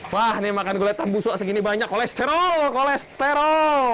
wah nih makan gulai tambusu segini banyak kolesterol kolesterol